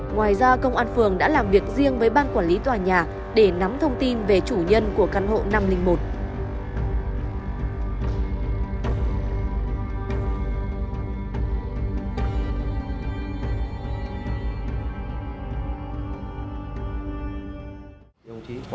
ngoài ra công an phường đã làm việc riêng với ban quản lý tòa nhà để nắm thông tin về chủ nhân của căn hộ năm trăm linh một